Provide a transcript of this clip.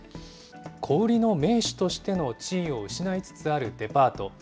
小売りの盟主としての地位を失いつつあるデパート。